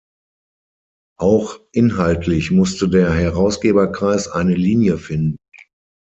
Auch inhaltlich musste der Herausgeberkreis eine Linie finden.